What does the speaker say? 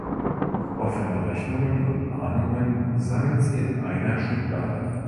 Offene Rechnungen und Mahnungen sammelt sie in einer Schublade.